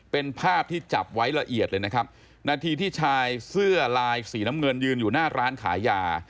เป็นภาพที่จับไว้ละเอียดเลยนะครับนาทีที่ชายเสื้อลายสีน้ำเงินยืนอยู่หน้าร้านขายยา